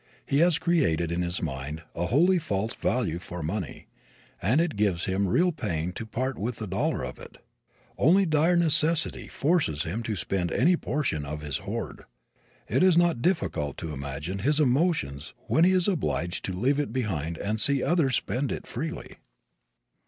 He has created in his mind a wholly false value for money and it gives him real pain to part with a dollar of it. Only dire necessity forces him to spend any portion of his hoard. It is not difficult to imagine his emotions when he is obliged to leave it behind and see others spend it freely.